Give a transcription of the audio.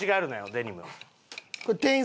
デニム。